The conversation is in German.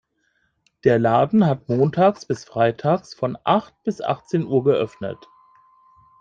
Der Laden hat montags bis freitags von acht bis achtzehn Uhr geöffnet.